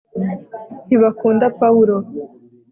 ntibakunda pawulo